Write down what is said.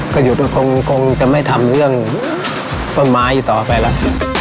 ก็หยุดคงจะไม่ทำเรื่องต้นไม้อยู่ต่อไปแล้ว